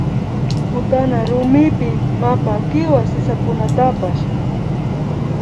Kutana rumipi mapa kiwa sisakunatapsh